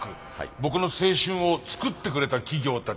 僕の青春を作ってくれた企業たち。